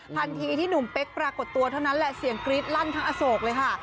ทันทีที่หนุ่มเป๊กปรากฏตัวเท่านั้นแหละเสียงกรี๊ดลั่นทั้งอโศกเลยค่ะ